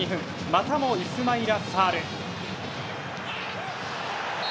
またもイスマイラ・サール。